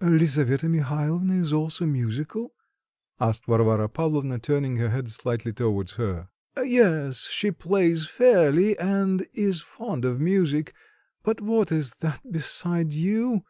"Lisaveta Mihalovna is also musical?" asked Varvara Pavlovna, turning her head slightly towards her. "Yes, she plays fairly, and is fond of music; but what is that beside you?